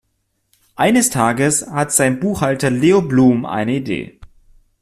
Eines Tages hat sein Buchhalter Leo Bloom eine Idee.